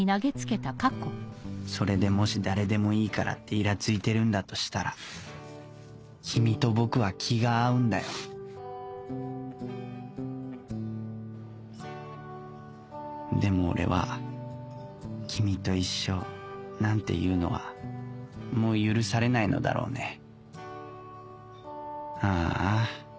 それでもし誰でもいいからってイラついてるんだとしたら君と僕は気が合うんだよでも俺は「君と一緒」なんて言うのはもう許されないのだろうねああ